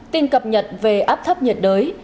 tin cập nhật về áp thấp nhiệt đới